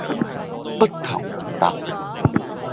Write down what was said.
不求聞達